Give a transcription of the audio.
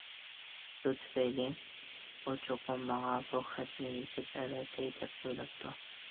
شۇ تۈپەيلى، ئۇ چوقۇم ماڭا بۇ خەتنى يېزىپ ئەۋەتەي دەپ ئويلاپتۇ.